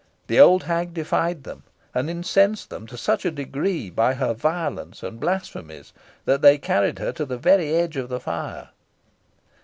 The old hag defied and incensed them to such a degree by her violence and blasphemies, that they carried her to the very edge of the fire.